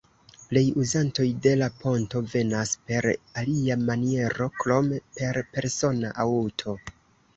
Plej uzantoj de la ponto venas per alia maniero krom per persona aŭto.